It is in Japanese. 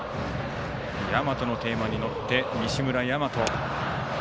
「ヤマト」のテーマに乗って西村大和。